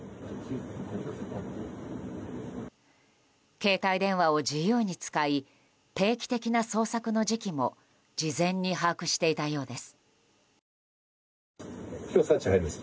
携帯電話を自由に使い定期的な捜索の時期も事前に把握していたようです。